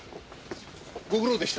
ご苦労でした。